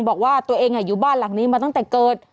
บอกว่าตัวเองอยู่บ้านหลังนี้มาตั้งแต่เกิด